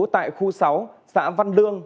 tại khu sáu xã văn lương